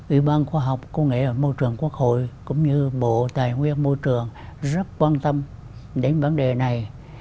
ủy ban khoa học công nghệ và môi trường quốc hội cũng như bộ tài nguyên môi trường rất quan tâm đến vấn đề này